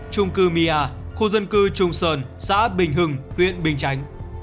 trung cư my a khu dân cư trung sơn xã bình hưng huyện bình chánh